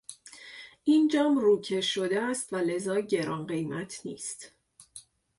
این جام روکش شده است و لذا گران قیمت نیست.